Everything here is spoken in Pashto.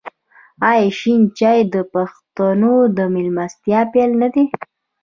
آیا شین چای د پښتنو د میلمستیا پیل نه دی؟